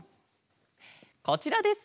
こちらです。